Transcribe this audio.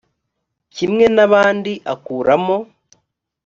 kimwe n abandi akuramo